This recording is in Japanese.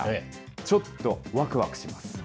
ちょっとわくわくします。